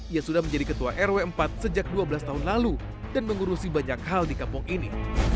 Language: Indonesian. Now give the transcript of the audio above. ia sudah menjadi ketua rw empat sejak dua belas tahun lalu dan mengurusi banyak hal di kampung ini